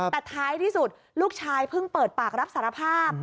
แต่ท้ายที่สุดลูกชายเพิ่งเปิดปากรับสารภาพ